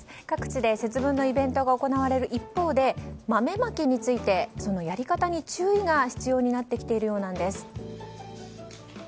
各地で節分のイベントが行われる一方で豆まきについて、やり方に注意が必要になってきているようなんです。